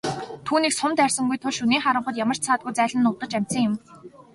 Түүнийг сум дайрсангүй тул шөнийн харанхуйд ямар ч саадгүй зайлан нуугдаж амжсан юм.